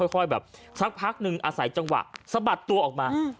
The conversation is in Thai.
ค่อยแบบสักพักนึงอาศัยจังหวะสะบัดตัวออกมา